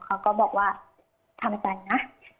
เขาก็บอกว่าทำใจนะ